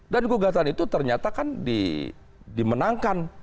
dan gugatan itu ternyata kan dimenangkan